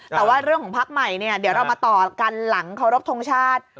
แต่ว่าเรื่องของพักใหม่เนี่ยเดี๋ยวเรามาต่อกันหลังเคารพทงชาติ